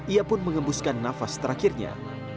ia pun mengembuskan nafas terakhirnya